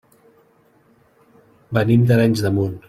Venim d'Arenys de Munt.